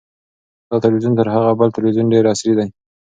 دا تلویزیون تر هغه بل تلویزیون ډېر عصري دی.